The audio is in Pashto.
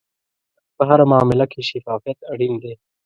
په هره معامله کې شفافیت اړین دی.